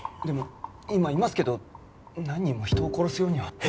でも今いますけど何人も人を殺すようには。